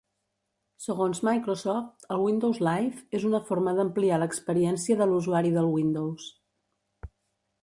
Segons Microsoft, el Windows Live "és una forma d'ampliar l'experiència de l'usuari del Windows".